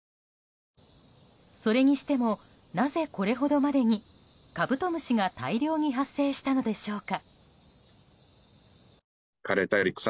それにしてもなぜ、これほどまでにカブトムシが大量に発生したのでしょうか。